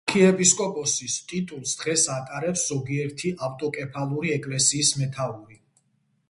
არქიეპისკოპოსის ტიტულს დღეს ატარებს ზოგიერთი ავტოკეფალური ეკლესიის მეთაური.